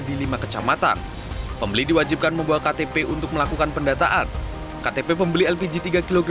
di lima kecamatan pembeli diwajibkan membawa ktp untuk melakukan pendataan ktp pembeli lpg tiga kg